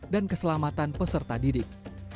dan keselamatan peserta didik